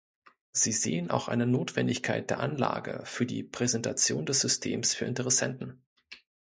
Sie sehen auch eine Notwendigkeit der Anlage für die Präsentation des Systems für Interessenten.